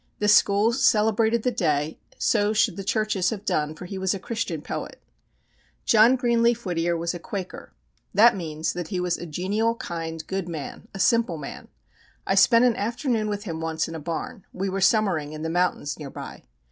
The schools celebrated the day, so should the churches have done, for he was a Christian poet. John Greenleaf Whittier was a Quaker. That means that he was a genial, kind, good man a simple man. I spent an afternoon with him once in a barn. We were summering in the mountains near by.